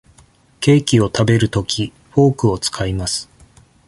ケーキを食べるとき、フォークを使います。